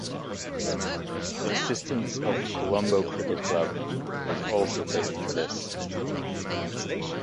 The assistance of the Colombo Cricket Club was also taken for this.